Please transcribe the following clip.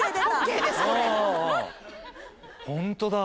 ホントだ。